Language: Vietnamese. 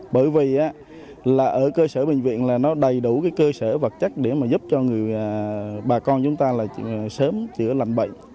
bởi vì ở cơ sở bệnh viện là nó đầy đủ cơ sở vật chất để giúp cho bà con chúng ta sớm chữa lạnh bệnh